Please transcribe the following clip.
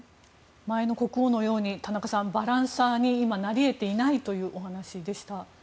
前の国王のようにバランサーになりえていないというお話でした。